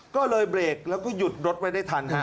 ก็เลยเบรกแล้วก็หยุดรถไว้ได้ทันฮะ